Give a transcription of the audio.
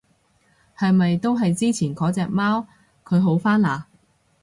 係咪都係之前嗰隻貓？佢好返嘞？